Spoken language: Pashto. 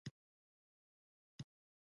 جوجو وویل تنخوا اخلې؟